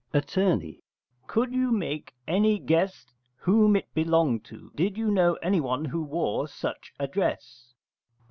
Att. Could you make any guess whom it belonged to? Did you know anyone who wore such a dress?